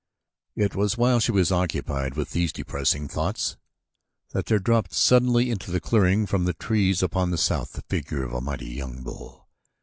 It was while she was occupied with these depressing thoughts that there dropped suddenly into the clearing from the trees upon the south the figure of a mighty young bull.